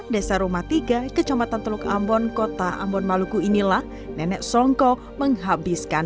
desa rumah tiga kecamatan teluk ambon kota ambon maluku inilah nenek songko menghabiskan